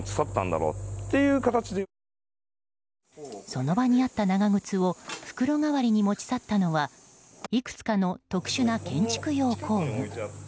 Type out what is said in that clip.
その場にあった長靴を袋代わりに持ち去ったのはいくつかの特殊な建築用工具。